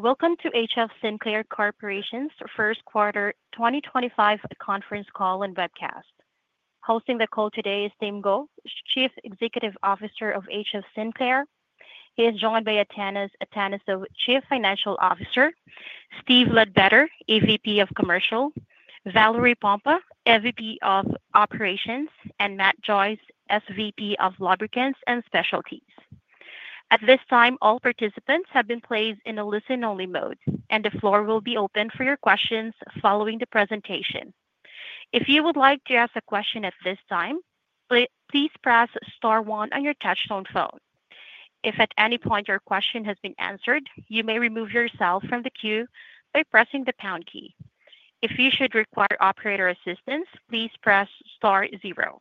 Welcome to HF Sinclair Corporation's first quarter 2025 conference call and webcast. Hosting the call today is Tim Go, Chief Executive Officer of HF Sinclair. He is joined by Atanas Atanasov, Chief Financial Officer; Steve Ledbetter, EVP of Commercial; Valerie Pompa, EVP of Operations; and Matt Joyce, SVP of Lubricants and Specialties. At this time, all participants have been placed in a listen-only mode, and the floor will be open for your questions following the presentation. If you would like to ask a question at this time, please press star one on your touch-tone phone. If at any point your question has been answered, you may remove yourself from the queue by pressing the pound key. If you should require operator assistance, please press star zero.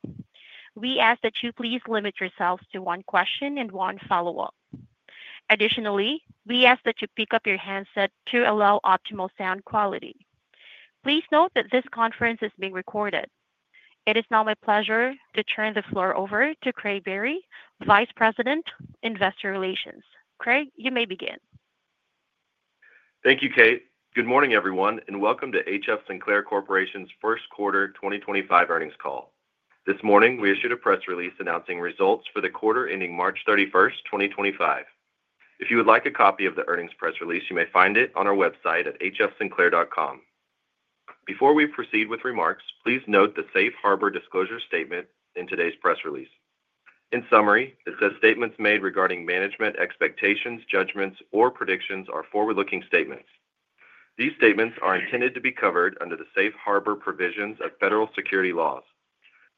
We ask that you please limit yourself to one question and one follow-up. Additionally, we ask that you pick up your handset to allow optimal sound quality. Please note that this conference is being recorded. It is now my pleasure to turn the floor over to Craig Biery, Vice President, Investor Relations. Craig, you may begin. Thank you, Kate. Good morning, everyone, and welcome to HF Sinclair Corporation's first quarter 2025 earnings call. This morning, we issued a press release announcing results for the quarter ending March 31, 2025. If you would like a copy of the earnings press release, you may find it on our website at hfsinclair.com. Before we proceed with remarks, please note the safe harbor disclosure statement in today's press release. In summary, it says statements made regarding management expectations, judgments, or predictions are forward-looking statements. These statements are intended to be covered under the safe harbor provisions of federal security laws.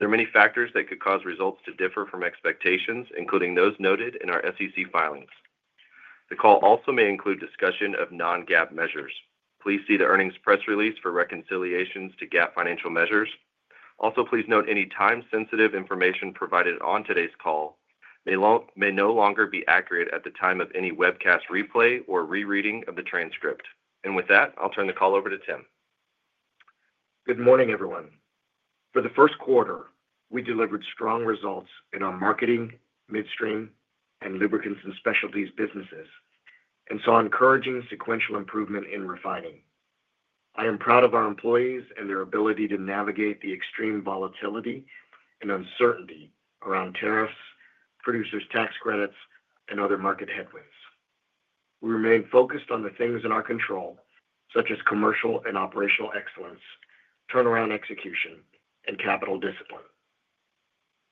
There are many factors that could cause results to differ from expectations, including those noted in our SEC filings. The call also may include discussion of non-GAAP measures. Please see the earnings press release for reconciliations to GAAP financial measures. Also, please note any time-sensitive information provided on today's call may no longer be accurate at the time of any webcast replay or rereading of the transcript. With that, I'll turn the call over to Tim. Good morning, everyone. For the first quarter, we delivered strong results in our marketing, midstream, and lubricants and specialties businesses, and saw encouraging sequential improvement in refining. I am proud of our employees and their ability to navigate the extreme volatility and uncertainty around tariffs, producers' tax credits, and other market headwinds. We remain focused on the things in our control, such as commercial and operational excellence, turnaround execution, and capital discipline.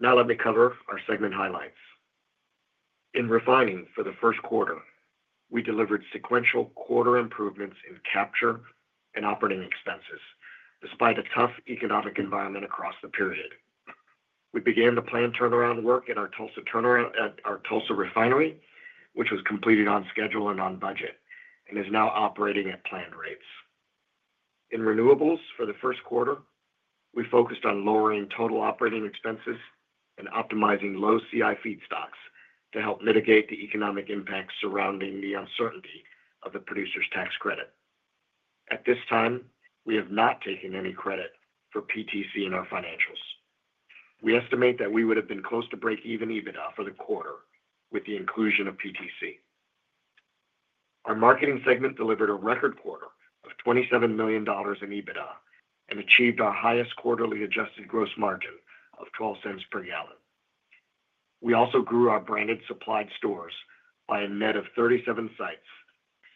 Now let me cover our segment highlights. In refining for the first quarter, we delivered sequential quarter improvements in capture and operating expenses, despite a tough economic environment across the period. We began the planned turnaround work at our Tulsa refinery, which was completed on schedule and on budget, and is now operating at planned rates. In renewables for the first quarter, we focused on lowering total operating expenses and optimizing low CI feedstocks to help mitigate the economic impact surrounding the uncertainty of the producers' tax credit. At this time, we have not taken any credit for PTC in our financials. We estimate that we would have been close to break-even EBITDA for the quarter with the inclusion of PTC. Our marketing segment delivered a record quarter of $27 million in EBITDA and achieved our highest quarterly adjusted gross margin of $0.12 per gallon. We also grew our branded supplied stores by a net of 37 sites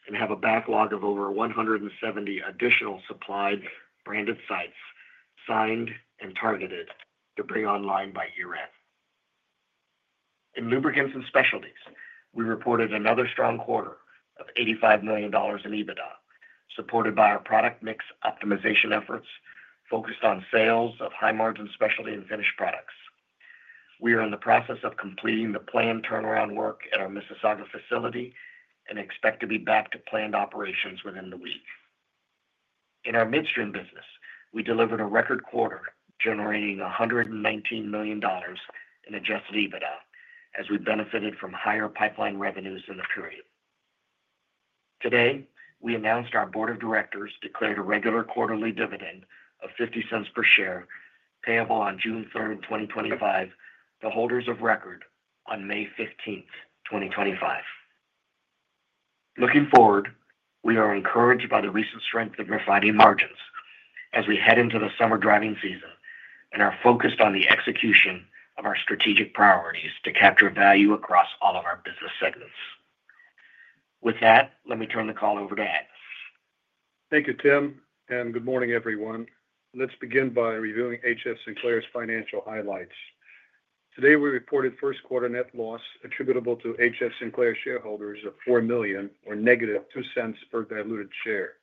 and have a backlog of over 170 additional supplied branded sites signed and targeted to bring online by year-end. In lubricants and specialties, we reported another strong quarter of $85 million in EBITDA, supported by our product mix optimization efforts focused on sales of high-margin specialty and finished products. We are in the process of completing the planned turnaround work at our Mississauga facility and expect to be back to planned operations within the week. In our midstream business, we delivered a record quarter, generating $119 million in adjusted EBITDA, as we benefited from higher pipeline revenues in the period. Today, we announced our board of directors declared a regular quarterly dividend of $0.50 per share, payable on June 3rd, 2025, to holders of record on May 15th, 2025. Looking forward, we are encouraged by the recent strength of refining margins as we head into the summer driving season and are focused on the execution of our strategic priorities to capture value across all of our business segments. With that, let me turn the call over to Atanas. Thank you, Tim, and good morning, everyone. Let's begin by reviewing HF Sinclair's financial highlights. Today, we reported first quarter net loss attributable to HF Sinclair shareholders of $4 million, or negative $0.02 per diluted share.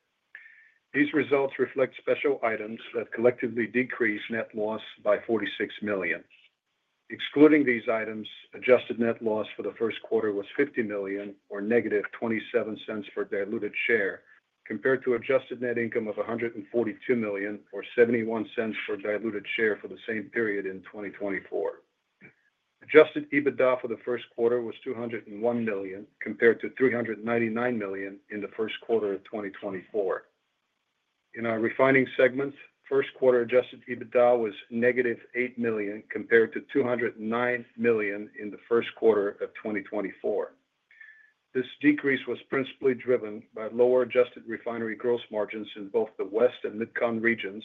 These results reflect special items that collectively decreased net loss by $46 million. Excluding these items, adjusted net loss for the first quarter was $50 million, or negative $0.27 per diluted share, compared to adjusted net income of $142 million, or $0.71 per diluted share for the same period in 2024. Adjusted EBITDA for the first quarter was $201 million, compared to $399 million in the first quarter of 2024. In our refining segment, first quarter adjusted EBITDA was negative $8 million, compared to $209 million in the first quarter of 2024. This decrease was principally driven by lower adjusted refinery gross margins in both the West and Mid-Con regions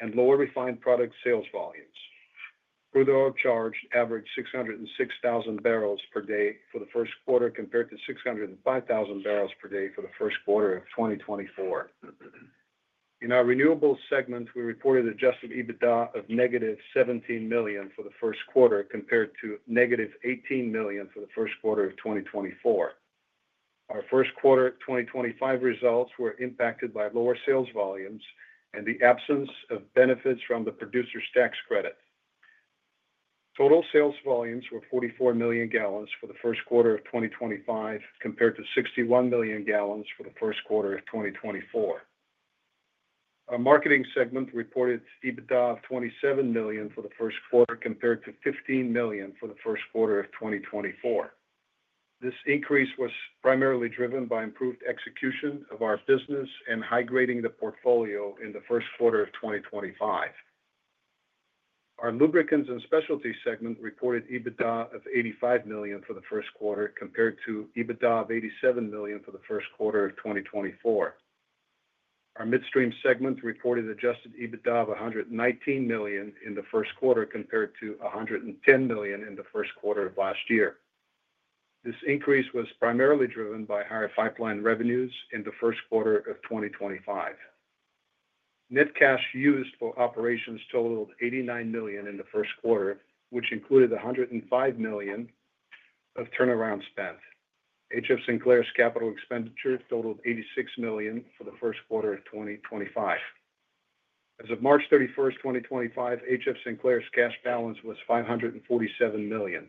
and lower refined product sales volumes. Crude oil charge averaged 606,000 barrels per day for the first quarter, compared to 605,000 barrels per day for the first quarter of 2024. In our renewables segment, we reported adjusted EBITDA of negative $17 million for the first quarter, compared to negative $18 million for the first quarter of 2024. Our first quarter 2025 results were impacted by lower sales volumes and the absence of benefits from the producers' tax credit. Total sales volumes were 44 million gallons for the first quarter of 2025, compared to 61 million gallons for the first quarter of 2024. Our marketing segment reported EBITDA of $27 million for the first quarter, compared to $15 million for the first quarter of 2024. This increase was primarily driven by improved execution of our business and high-grading the portfolio in the first quarter of 2025. Our lubricants and specialties segment reported EBITDA of $85 million for the first quarter, compared to EBITDA of $87 million for the first quarter of 2024. Our midstream segment reported adjusted EBITDA of $119 million in the first quarter, compared to $110 million in the first quarter of last year. This increase was primarily driven by higher pipeline revenues in the first quarter of 2025. Net cash used for operations totaled $89 million in the first quarter, which included $105 million of turnaround spend. HF Sinclair's capital expenditure totaled $86 million for the first quarter of 2025. As of March 31, 2025, HF Sinclair's cash balance was $547 million.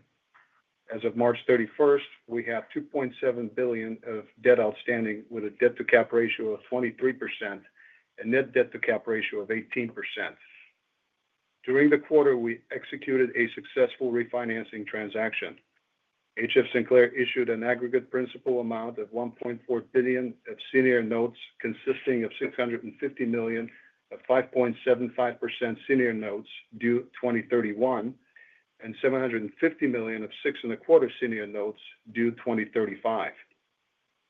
As of March 31, we have $2.7 billion of debt outstanding with a debt-to-cap ratio of 23% and net debt-to-cap ratio of 18%. During the quarter, we executed a successful refinancing transaction. HF Sinclair issued an aggregate principal amount of $1.4 billion of senior notes, consisting of $650 million of 5.75% senior notes due 2031 and $750 million of 6.25% senior notes due 2035.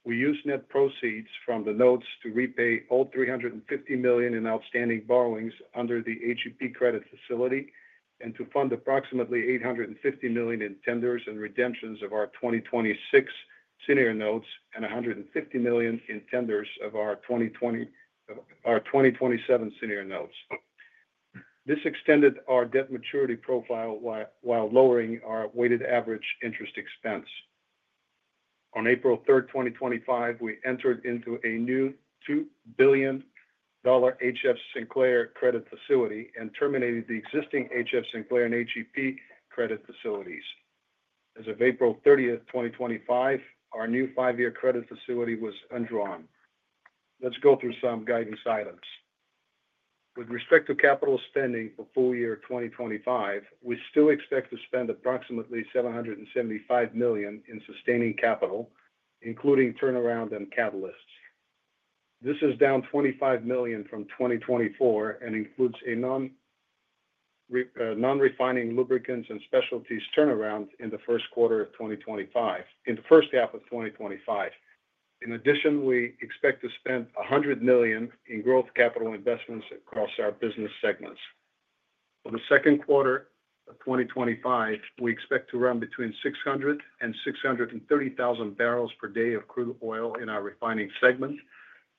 We used net proceeds from the notes to repay all $350 million in outstanding borrowings under the HEP Credit Facility and to fund approximately $850 million in tenders and redemptions of our 2026 senior notes and $150 million in tenders of our 2027 senior notes. This extended our debt maturity profile while lowering our weighted average interest expense. On April 3, 2025, we entered into a new $2 billion HF Sinclair Credit Facility and terminated the existing HF Sinclair and HEP Credit Facilities. As of April 30th, 2025, our new five-year credit facility was undrawn. Let's go through some guidance items. With respect to capital spending for full year 2025, we still expect to spend approximately $775 million in sustaining capital, including turnaround and catalysts. This is down $25 million from 2024 and includes a non-refining lubricants and specialties turnaround in the first quarter of 2025, in the first half of 2025. In addition, we expect to spend $100 million in growth capital investments across our business segments. For the second quarter of 2025, we expect to run between 600,000 and 630,000 barrels per day of crude oil in our refining segment,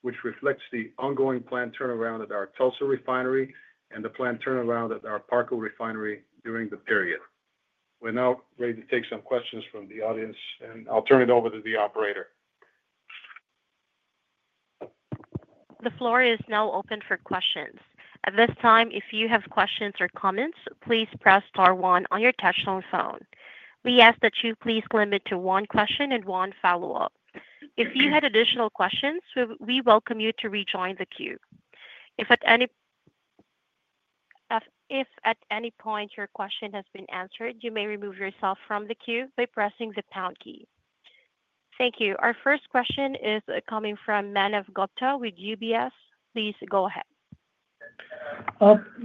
which reflects the ongoing planned turnaround at our Tulsa refinery and the planned turnaround at our Parco refinery during the period. We're now ready to take some questions from the audience, and I'll turn it over to the operator. The floor is now open for questions. At this time, if you have questions or comments, please press star one on your touch-tone phone. We ask that you please limit to one question and one follow-up. If you had additional questions, we welcome you to rejoin the queue. If at any point your question has been answered, you may remove yourself from the queue by pressing the pound key. Thank you. Our first question is coming from Manav Gupta with UBS. Please go ahead.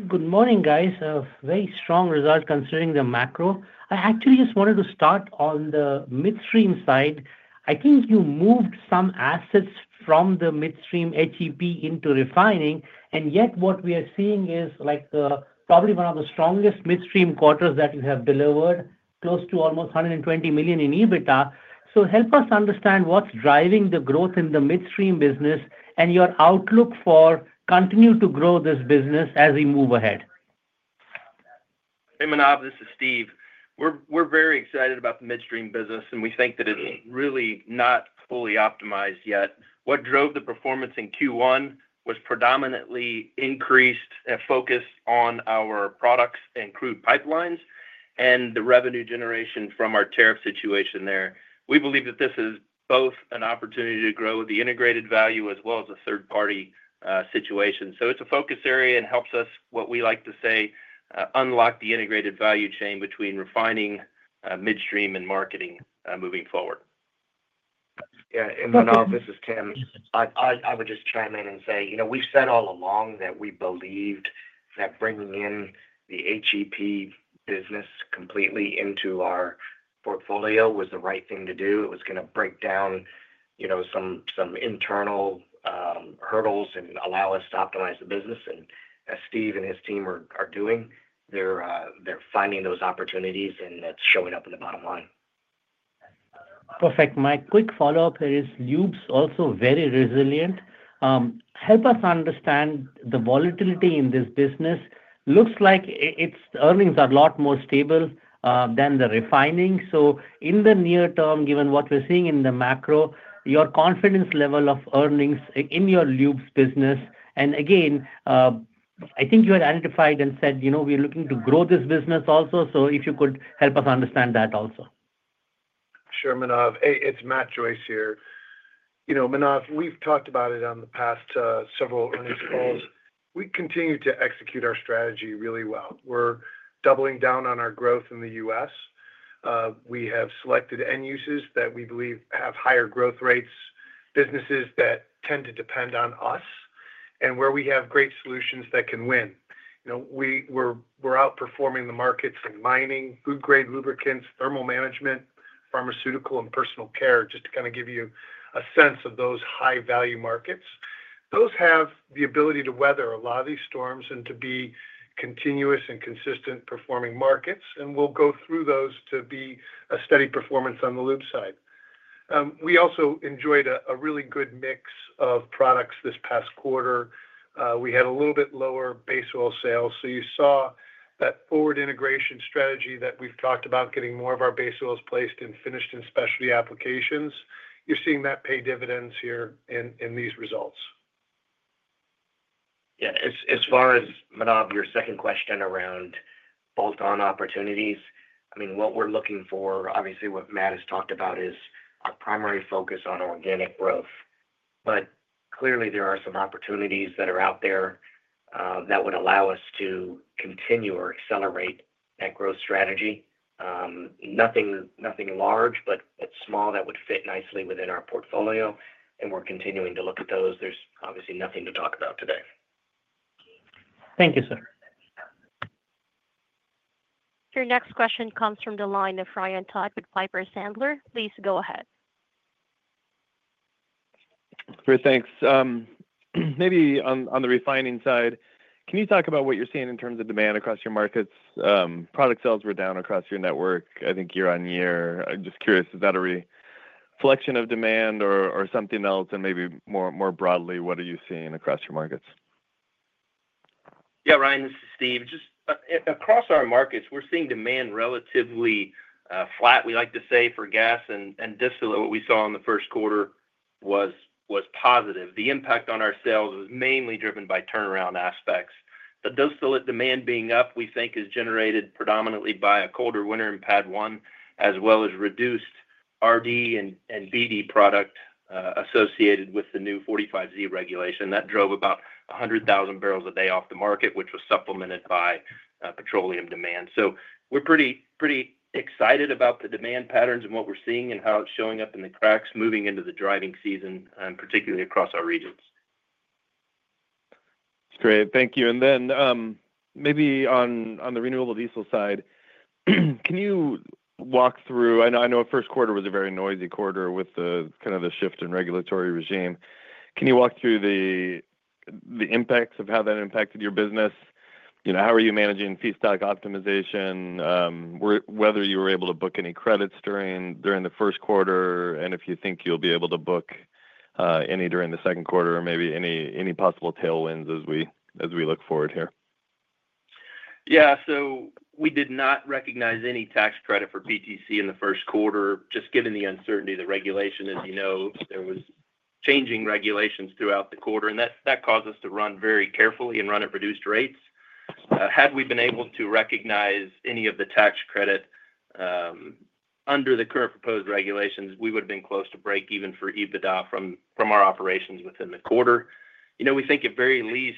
Good morning, guys. Very strong results considering the macro. I actually just wanted to start on the midstream side. I think you moved some assets from the midstream HEP into refining, and yet what we are seeing is probably one of the strongest midstream quarters that you have delivered, close to almost $120 million in EBITDA. Help us understand what's driving the growth in the midstream business and your outlook for continuing to grow this business as we move ahead. Hey, Manav, this is Steve. We're very excited about the midstream business, and we think that it's really not fully optimized yet. What drove the performance in Q1 was predominantly increased focus on our products and crude pipelines and the revenue generation from our tariff situation there. We believe that this is both an opportunity to grow the integrated value as well as a third-party situation. It is a focus area and helps us, what we like to say, unlock the integrated value chain between refining, midstream, and marketing moving forward. Yeah. Manav, this is Tim. I would just chime in and say, you know, we've said all along that we believed that bringing in the HEP business completely into our portfolio was the right thing to do. It was going to break down some internal hurdles and allow us to optimize the business. As Steve and his team are doing, they're finding those opportunities, and that's showing up in the bottom line. Perfect. My quick follow-up is Lubes also very resilient. Help us understand the volatility in this business. Looks like its earnings are a lot more stable than the refining. In the near term, given what we're seeing in the macro, your confidence level of earnings in your Lubes business, and again, I think you had identified and said, you know, we're looking to grow this business also. If you could help us understand that also. Sure, Manav. Hey, it's Matt Joyce here. You know, Manav, we've talked about it on the past several earnings calls. We continue to execute our strategy really well. We're doubling down on our growth in the U.S. We have selected end uses that we believe have higher growth rates, businesses that tend to depend on us, and where we have great solutions that can win. You know, we're outperforming the markets in mining, food-grade lubricants, thermal management, pharmaceutical, and personal care, just to kind of give you a sense of those high-value markets. Those have the ability to weather a lot of these storms and to be continuous and consistent performing markets, and we'll go through those to be a steady performance on the Lube side. We also enjoyed a really good mix of products this past quarter. We had a little bit lower base oil sales, so you saw that forward integration strategy that we've talked about, getting more of our base oils placed and finished in specialty applications. You're seeing that pay dividends here in these results. Yeah. As far as, Manav, your second question around bolt-on opportunities, I mean, what we're looking for, obviously, what Matt has talked about is our primary focus on organic growth. Clearly, there are some opportunities that are out there that would allow us to continue or accelerate that growth strategy. Nothing large, but small that would fit nicely within our portfolio, and we're continuing to look at those. There's obviously nothing to talk about today. Thank you, sir. Your next question comes from the line of Ryan Todd with Piper Sandler. Please go ahead. Thanks. Maybe on the refining side, can you talk about what you're seeing in terms of demand across your markets? Product sales were down across your network, I think, year on year. I'm just curious, is that a reflection of demand or something else? Maybe more broadly, what are you seeing across your markets? Yeah, Ryan, this is Steve. Just across our markets, we're seeing demand relatively flat, we like to say, for gas, and distillate, what we saw in the first quarter was positive. The impact on our sales was mainly driven by turnaround aspects. The distillate demand being up, we think, is generated predominantly by a colder winter in PADD 1, as well as reduced RD and BD product associated with the new 45Z regulation. That drove about 100,000 barrels a day off the market, which was supplemented by petroleum demand. We are pretty excited about the demand patterns and what we're seeing and how it's showing up in the cracks moving into the driving season, and particularly across our regions. That's great. Thank you. Maybe on the renewable diesel side, can you walk through, I know first quarter was a very noisy quarter with kind of the shift in regulatory regime. Can you walk through the impacts of how that impacted your business? How are you managing feedstock optimization, whether you were able to book any credits during the first quarter, and if you think you'll be able to book any during the second quarter, or maybe any possible tailwinds as we look forward here? Yeah. We did not recognize any tax credit for PTC in the first quarter, just given the uncertainty of the regulation. As you know, there were changing regulations throughout the quarter, and that caused us to run very carefully and run at reduced rates. Had we been able to recognize any of the tax credit under the current proposed regulations, we would have been close to break even for EBITDA from our operations within the quarter. You know, we think at very least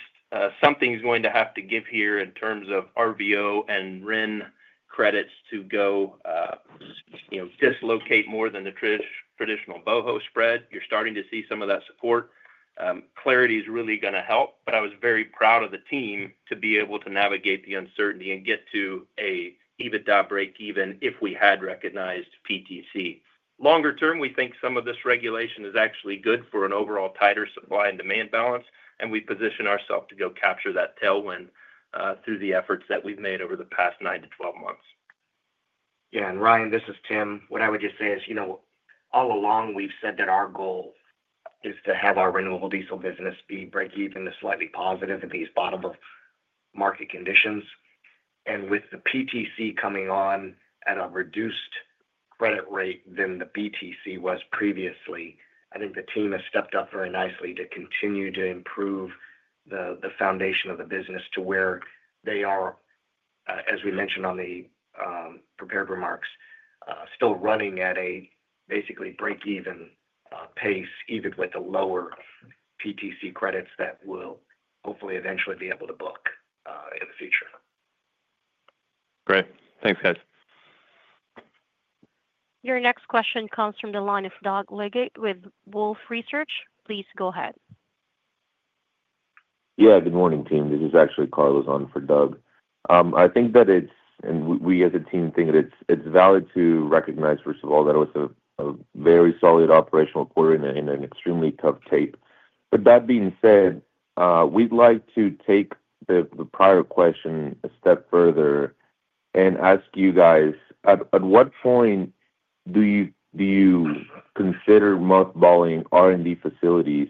something's going to have to give here in terms of RVO and RIN credits to go dislocate more than the traditional BOHO spread. You're starting to see some of that support. Clarity is really going to help, but I was very proud of the team to be able to navigate the uncertainty and get to an EBITDA break even if we had recognized PTC. Longer term, we think some of this regulation is actually good for an overall tighter supply and demand balance, and we position ourselves to go capture that tailwind through the efforts that we've made over the past nine to twelve months. Yeah. Ryan, this is Tim. What I would just say is, you know, all along we've said that our goal is to have our renewable diesel business be break even to slightly positive in these bottom-of-market conditions. With the PTC coming on at a reduced credit rate than the BTC was previously, I think the team has stepped up very nicely to continue to improve the foundation of the business to where they are, as we mentioned on the prepared remarks, still running at a basically break-even pace, even with the lower PTC credits that we'll hopefully eventually be able to book in the future. Great. Thanks, guys. Your next question comes from the line of Doug Leggate with Wolfe Research. Please go ahead. Yeah. Good morning, team. This is actually Carlos on for Doug. I think that it's, and we as a team think that it's valid to recognize, first of all, that it was a very solid operational quarter in an extremely tough tape. That being said, we'd like to take the prior question a step further and ask you guys, at what point do you consider mothballing R&D facilities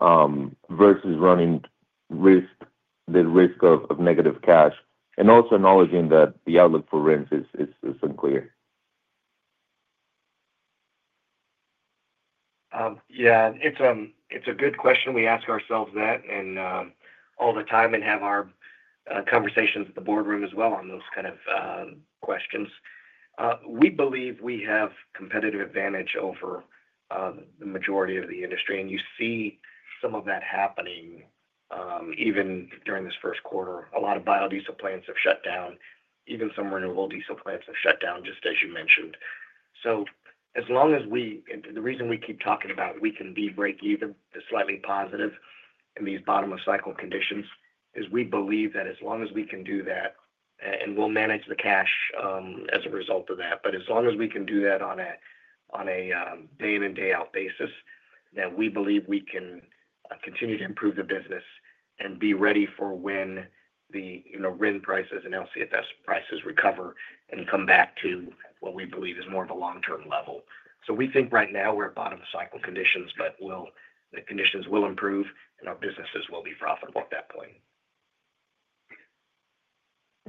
versus running the risk of negative cash, and also acknowledging that the outlook for RINs is unclear? Yeah. It's a good question. We ask ourselves that all the time and have our conversations in the boardroom as well on those kind of questions. We believe we have competitive advantage over the majority of the industry, and you see some of that happening even during this first quarter. A lot of biodiesel plants have shut down. Even some renewable diesel plants have shut down, just as you mentioned. As long as we, the reason we keep talking about we can be break even, the slightly positive in these bottom-of-cycle conditions, is we believe that as long as we can do that, and we'll manage the cash as a result of that. As long as we can do that on a day-in and day-out basis, then we believe we can continue to improve the business and be ready for when the RIN prices and LCFS prices recover and come back to what we believe is more of a long-term level. We think right now we're at bottom-of-cycle conditions, but the conditions will improve, and our businesses will be profitable at that point.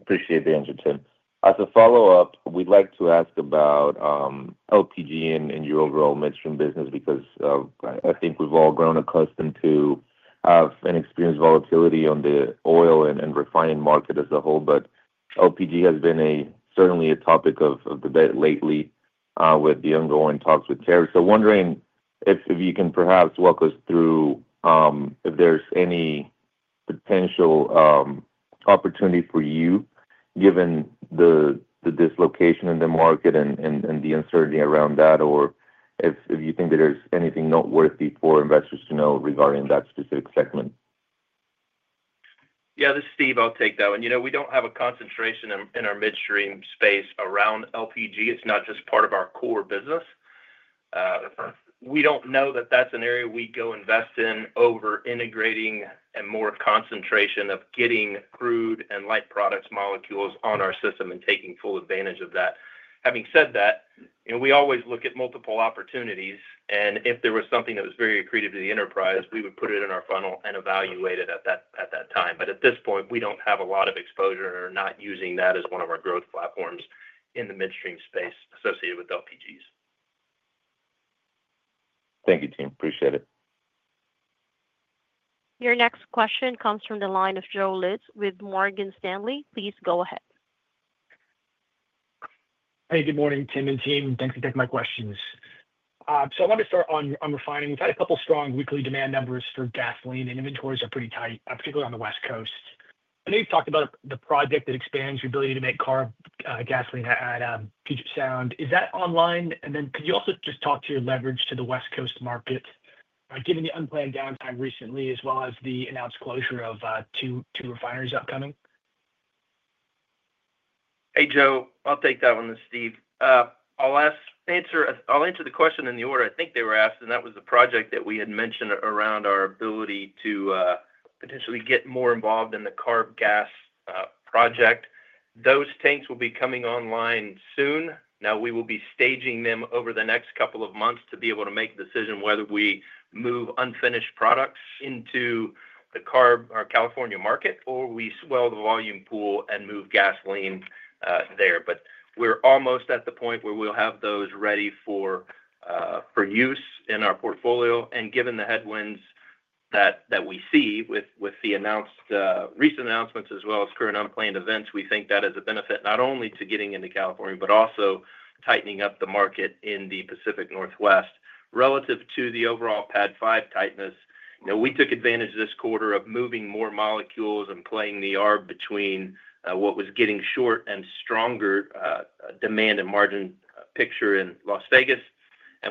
Appreciate the answer, Tim. As a follow-up, we'd like to ask about LPG and your overall midstream business, because I think we've all grown accustomed to and experienced volatility on the oil and refining market as a whole. LPG has been certainly a topic of debate lately with the ongoing talks with tariffs. Wondering if you can perhaps walk us through if there's any potential opportunity for you, given the dislocation in the market and the uncertainty around that, or if you think that there's anything noteworthy for investors to know regarding that specific segment. Yeah, this is Steve. I'll take that one. You know, we don't have a concentration in our midstream space around LPG. It's not just part of our core business. We don't know that that's an area we go invest in over integrating and more concentration of getting crude and light products molecules on our system and taking full advantage of that. Having said that, we always look at multiple opportunities, and if there was something that was very accretive to the enterprise, we would put it in our funnel and evaluate it at that time. At this point, we don't have a lot of exposure and are not using that as one of our growth platforms in the midstream space associated with LPGs. Thank you, team. Appreciate it. Your next question comes from the line of Joe Laetsch with Morgan Stanley. Please go ahead. Hey, good morning, Tim and team. Thanks for taking my questions. I wanted to start on refining. We've had a couple of strong weekly demand numbers for gasoline, and inventories are pretty tight, particularly on the West Coast. I know you've talked about the project that expands your ability to make CARB gasoline at Puget Sound. Is that online? Could you also just talk to your leverage to the West Coast market, given the unplanned downtime recently, as well as the announced closure of two refineries upcoming? Hey, Joe. I'll take that one, Steve. I'll answer the question in the order I think they were asked, and that was the project that we had mentioned around our ability to potentially get more involved in the CARB gas project. Those tanks will be coming online soon. Now, we will be staging them over the next couple of months to be able to make a decision whether we move unfinished products into the California market, or we swell the volume pool and move gasoline there. We are almost at the point where we'll have those ready for use in our portfolio. Given the headwinds that we see with the announced recent announcements, as well as current unplanned events, we think that is a benefit not only to getting into California, but also tightening up the market in the Pacific Northwest relative to the overall PADD 5 tightness. You know, we took advantage this quarter of moving more molecules and playing the yard between what was getting short and stronger demand and margin picture in Las Vegas.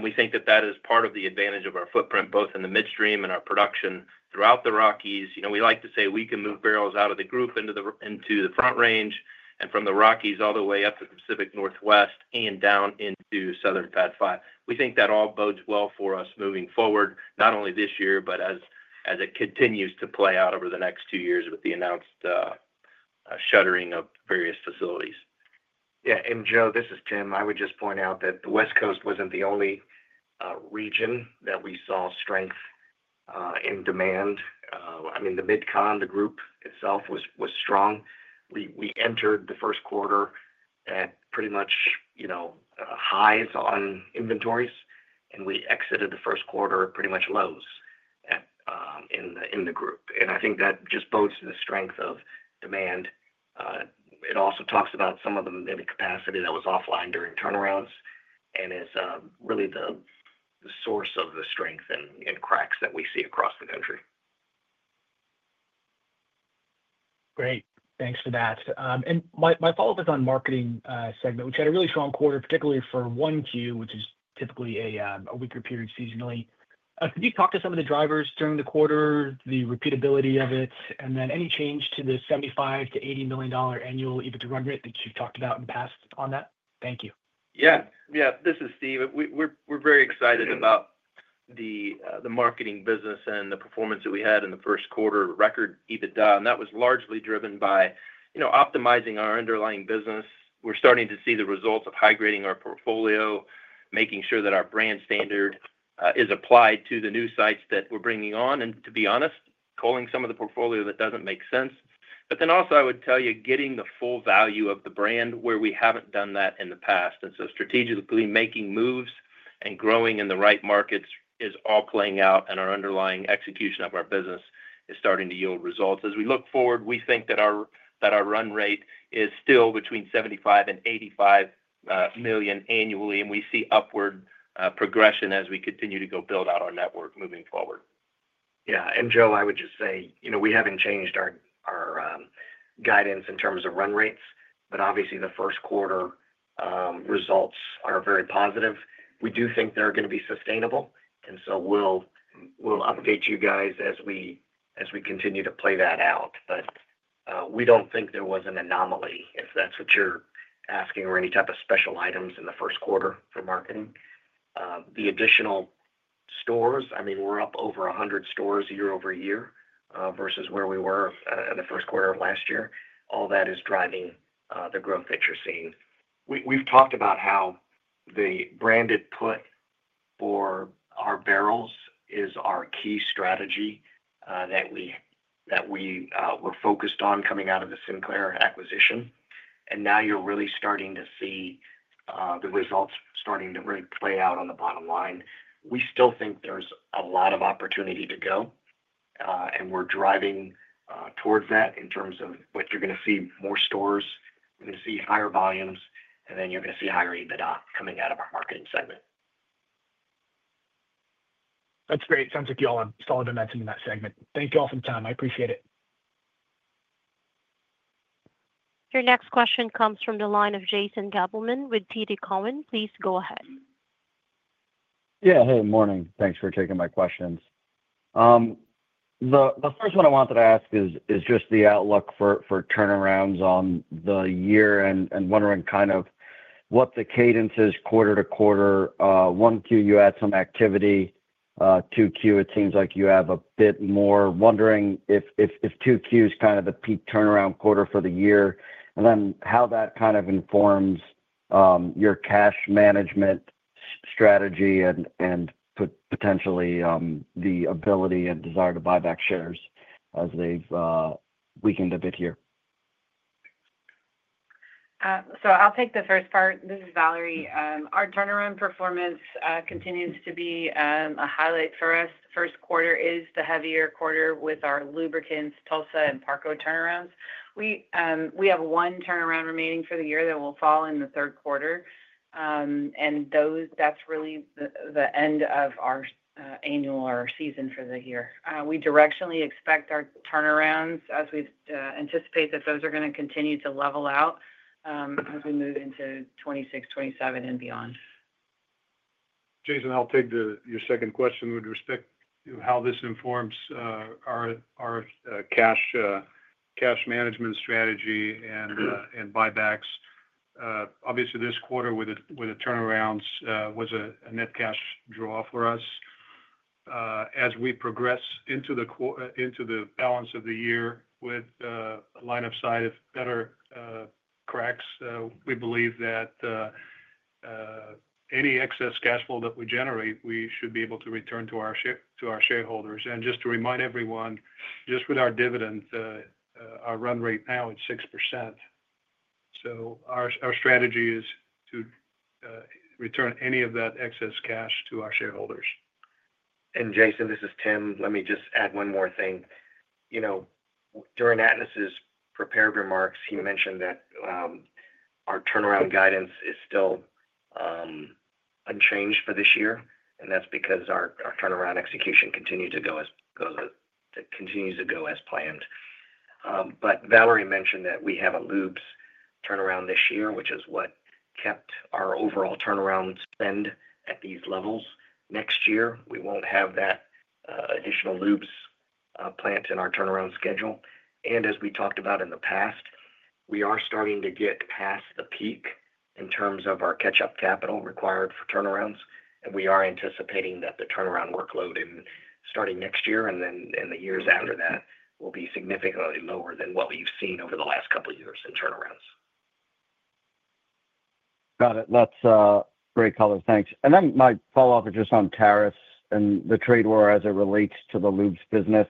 We think that that is part of the advantage of our footprint, both in the midstream and our production throughout the Rockies. You know, we like to say we can move barrels out of the Group into the Front Range and from the Rockies all the way up to the Pacific Northwest and down into southern PADD 5. We think that all bodes well for us moving forward, not only this year, but as it continues to play out over the next two years with the announced shuttering of various facilities. Yeah. Joe, this is Tim. I would just point out that the West Coast was not the only region that we saw strength in demand. I mean, the Mid-Con, the Group itself, was strong. We entered the first quarter at pretty much highs on inventories, and we exited the first quarter at pretty much lows in the Group. I think that just bodes to the strength of demand. It also talks about some of the capacity that was offline during turnarounds and is really the source of the strength and cracks that we see across the country. Great. Thanks for that. My follow-up is on the marketing segment, which had a really strong quarter, particularly for Q1, which is typically a weaker period seasonally. Could you talk to some of the drivers during the quarter, the repeatability of it, and then any change to the $75-$80 million annual EBITDA rubric that you've talked about in the past on that? Thank you. Yeah. Yeah, this is Steve. We're very excited about the marketing business and the performance that we had in the first quarter, record EBITDA, and that was largely driven by optimizing our underlying business. We're starting to see the results of high-grading our portfolio, making sure that our brand standard is applied to the new sites that we're bringing on, and to be honest, culling some of the portfolio that doesn't make sense. I would tell you, getting the full value of the brand where we haven't done that in the past. Strategically making moves and growing in the right markets is all playing out, and our underlying execution of our business is starting to yield results. As we look forward, we think that our run rate is still between $75 million and $85 million annually, and we see upward progression as we continue to go build out our network moving forward. Yeah. And Joe, I would just say, you know, we haven't changed our guidance in terms of run rates, but obviously the first quarter results are very positive. We do think they're going to be sustainable, and we'll update you guys as we continue to play that out. We don't think there was an anomaly, if that's what you're asking, or any type of special items in the first quarter for marketing. The additional stores, I mean, we're up over 100 stores year over year versus where we were in the first quarter of last year. All that is driving the growth that you're seeing. We've talked about how the branded put for our barrels is our key strategy that we were focused on coming out of the Sinclair acquisition. Now you're really starting to see the results starting to really play out on the bottom line. We still think there's a lot of opportunity to go, and we're driving towards that in terms of what you're going to see: more stores, you're going to see higher volumes, and then you're going to see higher EBITDA coming out of our marketing segment. That's great. Sounds like you all have solid investment in that segment. Thank you all for the time. I appreciate it. Your next question comes from the line of Jason Gabelman with TD Cowen. Please go ahead. Yeah. Hey, good morning. Thanks for taking my questions. The first one I wanted to ask is just the outlook for turnarounds on the year and wondering kind of what the cadence is quarter to quarter. Q1, you had some activity. Q2, it seems like you have a bit more. Wondering if Q2 is kind of the peak turnaround quarter for the year, and then how that kind of informs your cash management strategy and potentially the ability and desire to buy back shares as they've weakened a bit here. I'll take the first part. This is Valerie. Our turnaround performance continues to be a highlight for us. First quarter is the heavier quarter with our lubricants, Tulsa, and Parco turnarounds. We have one turnaround remaining for the year that will fall in the Q3, and that's really the end of our annual or season for the year. We directionally expect our turnarounds, as we anticipate that those are going to continue to level out as we move into 2026, 2027, and beyond. Jason, I'll take your second question with respect to how this informs our cash management strategy and buybacks. Obviously, this quarter with the turnarounds was a net cash draw for us. As we progress into the balance of the year with line of sight of better cracks, we believe that any excess cash flow that we generate, we should be able to return to our shareholders. Just to remind everyone, just with our dividend, our run rate now is 6%. Our strategy is to return any of that excess cash to our shareholders. Jason, this is Tim. Let me just add one more thing. You know, during Atanas's prepared remarks, he mentioned that our turnaround guidance is still unchanged for this year, and that's because our turnaround execution continues to go as planned. Valerie mentioned that we have a Lubes turnaround this year, which is what kept our overall turnaround spend at these levels. Next year, we won't have that additional Lubes plant in our turnaround schedule. As we talked about in the past, we are starting to get past the peak in terms of our catch-up capital required for turnarounds, and we are anticipating that the turnaround workload starting next year and then in the years after that will be significantly lower than what we've seen over the last couple of years in turnarounds. Got it. That's great color. Thanks. My follow-up is just on tariffs and the trade war as it relates to the Lubes business.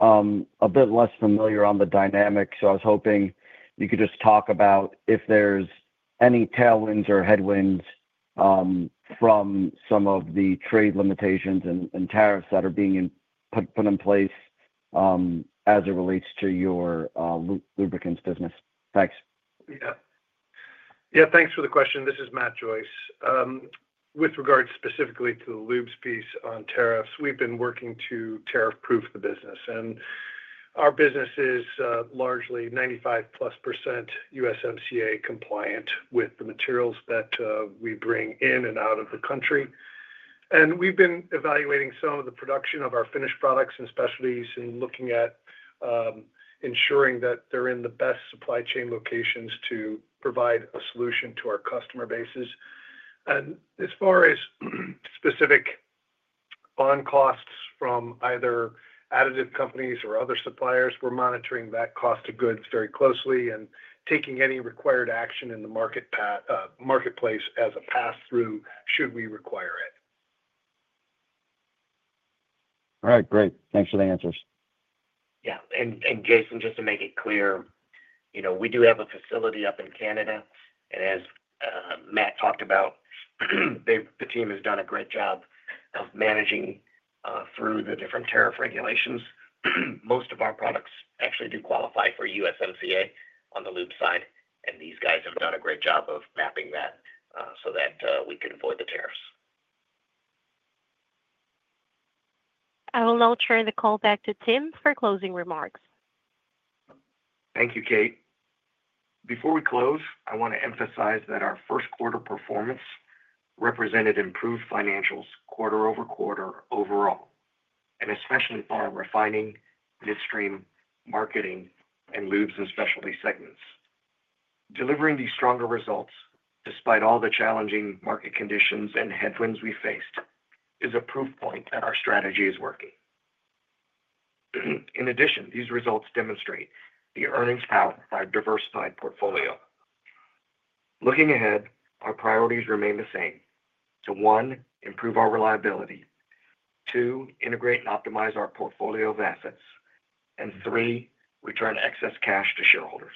A bit less familiar on the dynamic, so I was hoping you could just talk about if there's any tailwinds or headwinds from some of the trade limitations and tariffs that are being put in place as it relates to your lubricants business. Thanks. Yeah. Yeah, thanks for the question. This is Matt Joyce. With regard specifically to the Lubes piece on tariffs, we've been working to tariff-proof the business. Our business is largely 95% plus USMCA compliant with the materials that we bring in and out of the country. We've been evaluating some of the production of our finished products and specialties and looking at ensuring that they're in the best supply chain locations to provide a solution to our customer bases. As far as specific bond costs from either additive companies or other suppliers, we're monitoring that cost of goods very closely and taking any required action in the marketplace as a pass-through should we require it. All right. Great. Thanks for the answers. Yeah. Jason, just to make it clear, you know, we do have a facility up in Canada, and as Matt talked about, the team has done a great job of managing through the different tariff regulations. Most of our products actually do qualify for USMCA on the Lubes side, and these guys have done a great job of mapping that so that we can avoid the tariffs. I will now turn the call back to Tim for closing remarks. Thank you, Kate. Before we close, I want to emphasize that our first quarter performance represented improved financials quarter over quarter overall, and especially for our refining, midstream marketing, and Lubes and specialty segments. Delivering these stronger results, despite all the challenging market conditions and headwinds we faced, is a proof point that our strategy is working. In addition, these results demonstrate the earnings power of our diversified portfolio. Looking ahead, our priorities remain the same. To one, improve our reliability; two, integrate and optimize our portfolio of assets; and three, return excess cash to shareholders.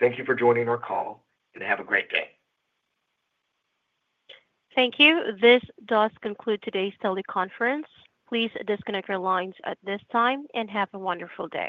Thank you for joining our call, and have a great day. Thank you. This does conclude today's teleconference. Please disconnect your lines at this time and have a wonderful day.